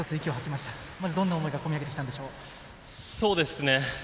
まず、どんな思いが込み上げてきたんでしょう。